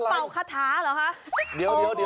เป่าคาถาเหรอคะ